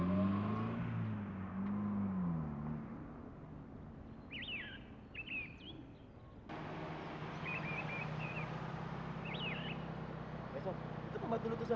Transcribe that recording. itu pembuat belutusan